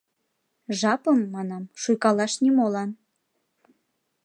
— Жапым, — манам, — шуйкалаш нимолан.